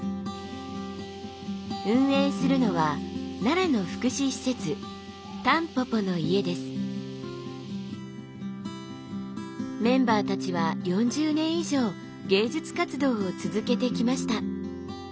運営するのは奈良の福祉施設メンバーたちは４０年以上芸術活動を続けてきました。